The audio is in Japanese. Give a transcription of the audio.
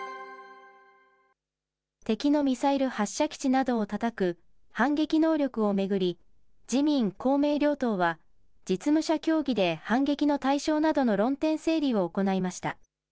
敵のミサイル発射基地などをたたく反撃能力を巡り、自民、公明両党は、実務者協議で反撃の対象などの論点整理を行いました。